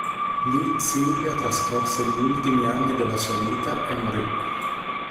Lì Silvia trascorse gli ultimi anni della sua vita e morì.